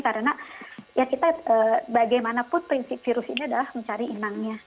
karena bagaimanapun prinsip virus ini adalah mencari inangnya